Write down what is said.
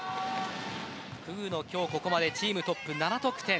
クグノは今日ここまでチームトップ７得点。